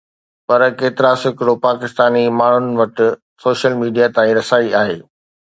پر ڪيترا سيڪڙو پاڪستاني ماڻهن وٽ سوشل ميڊيا تائين رسائي آهي؟